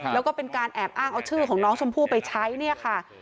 แล้วก็เป็นการแอบอ้างเอาชื่อของน้องชมพู่ไปใช้เนี่ยค่ะ